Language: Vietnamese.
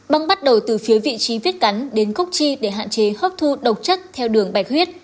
băng bắt đầu từ phía vị trí viết cắn đến gốc chi để hạn chế hấp thu độc chất theo đường bạch huyết